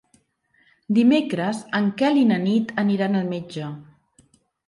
Dimecres en Quel i na Nit aniran al metge.